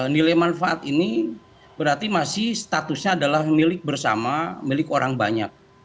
nilai manfaat ini berarti masih statusnya adalah milik bersama milik orang banyak